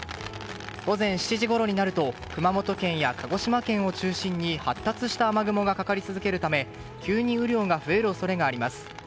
午前７時ごろになると熊本県や鹿児島県を中心に発達した雨雲がかかり続けるため急に雨量が増える恐れがあります。